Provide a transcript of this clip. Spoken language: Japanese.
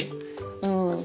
うん。